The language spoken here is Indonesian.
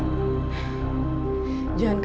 uangnya gak kembali